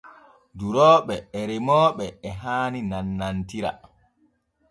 Durooɓe e remooɓe e haani nannantira.